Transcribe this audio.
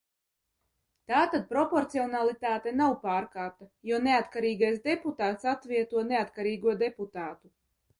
Tātad proporcionalitāte nav pārkāpta, jo neatkarīgais deputāts atvieto neatkarīgo deputātu.